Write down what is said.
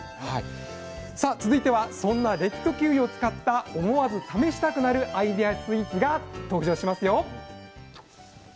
さあ続いてはそんなレッドキウイを使った思わず試したくなるアイデアスイーツが登場しますよ。